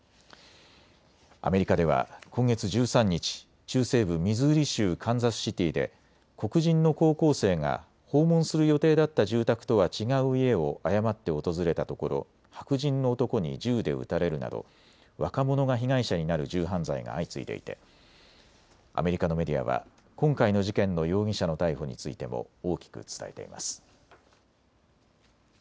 アメリカでは今月１３日、中西部ミズーリ州カンザスシティーで黒人の高校生が訪問する予定だった住宅とは違う家を誤って訪れたところ白人の男に銃で撃たれるなど若者が被害者になる銃犯罪が相次いでいてアメリカのメディアは今回の事件の容疑者の逮捕についても大きく伝えています。